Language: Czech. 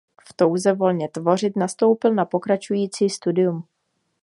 V touze volně tvořit nastoupil na pokračující studium.